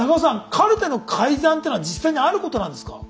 カルテの改ざんってのは実際にあることなんですか？